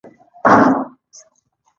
د پکتیکا په یوسف خیل کې د ګچ نښې شته.